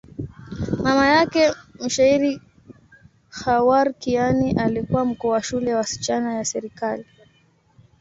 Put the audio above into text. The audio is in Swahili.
Mama yake, mshairi Khawar Kiani, alikuwa mkuu wa shule ya wasichana ya serikali.